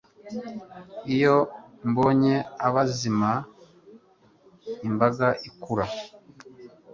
Iyo mbonye abazima imbaga ikura